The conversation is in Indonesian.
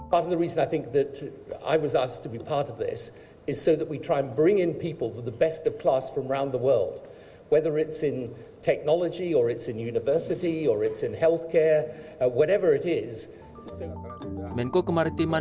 menko kemaritiman dan investasi